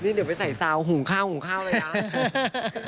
เดี๋ยวไปใส่ซาวหุงข้าวหุงข้าวเลยนะ